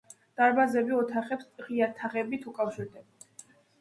დარბაზი ოთახებს ღია თაღედით უკავშირდება.